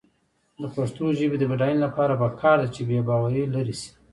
د پښتو ژبې د بډاینې لپاره پکار ده چې بېباوري لرې شي.